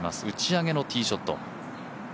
打ち上げのティーショット。